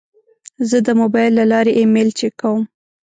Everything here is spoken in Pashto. زه د موبایل له لارې ایمیل چک کوم.